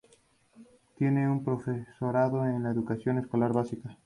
Tiene un Profesorado en Educación Escolar Básica.